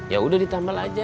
ya udah ditambah aja